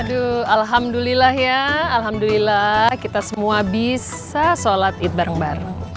aduh alhamdulillah ya alhamdulillah kita semua bisa sholat id bareng bareng